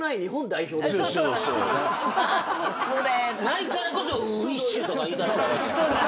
ないからこそ「ウィッシュ」とか言いだしたわけやからな。